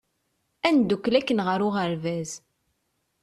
Ad ndukkel akken ɣer uɣeṛbaz!